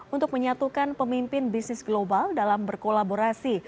untuk menyatukan pemimpin bisnis global dalam berkolaborasi